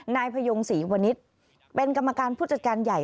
นายพยงศรีวณิชย์เป็นกรรมการผู้จัดการใหญ่